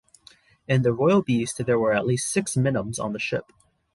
In the Royal Beast there were at least six Minims on the ship.